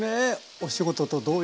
お仕事と同様！